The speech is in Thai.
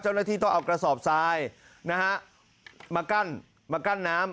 เจ้าหน้าที่ต้องเอากระสอบทรายนะฮะมากั้นมากั้นน้ำ